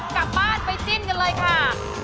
กลับบ้านไปจิ้มกันเลยค่ะ